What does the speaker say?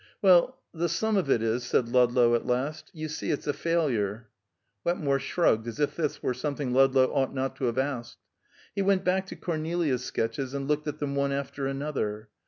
"Well, the sum of it is," said Ludlow at last, "you see it's a failure." Wetmore shrugged, as if this were something Ludlow ought not to have asked. He went back to Cornelia's sketches, and looked at them one after another.